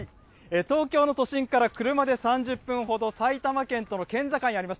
東京の都心から車で３０分ほど、埼玉県との県境にあります